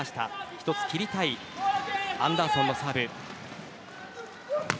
一つ切りたいアンダーソンのサーブ。